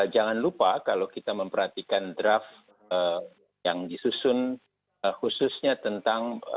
jangan lupa kalau kita memperhatikan draft yang disusun khususnya tentang